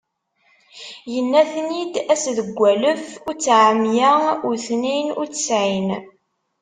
Yenna-ten-id ass deg walef uttɛemya u tniyen u ttɛin.